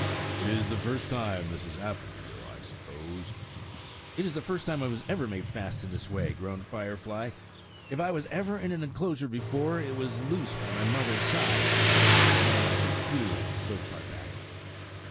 "It is the first time this has happened to you, I suppose?" "It is the first time I was ever made fast in this way," groaned Firefly. "If I was ever in an enclosure before, it was loose by my mother's side. My memory is confused so far back."